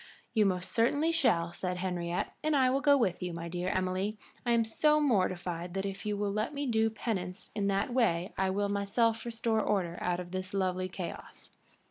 "You most certainly shall," said Henriette. "And I will go with you, my dear Emily. I am so mortified that if you will let me do penance in that way I will myself restore order out of this lovely chaos."